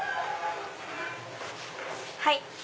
はい。